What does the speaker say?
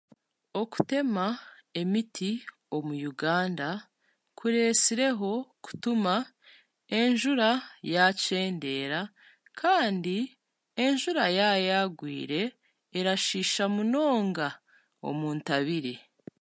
Okutema emiiti omu Uganda kuresireho kutuma enjuura y'akyendeera kandi enjuura ya yagwiire erashiisha munonga omu ntabire.